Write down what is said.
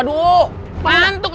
kamu menang apakah